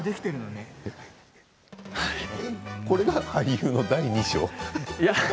これが俳優の第２章？